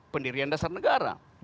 pendirian dasar negara